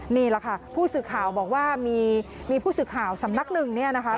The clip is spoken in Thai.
นี่แหละค่ะผู้สื่อข่าวบอกว่ามีผู้สื่อข่าวสำนักหนึ่งเนี่ยนะคะ